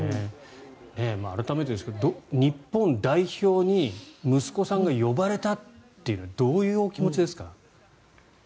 改めてですが日本代表に息子さんが呼ばれたというのはどういうお気持ちですか？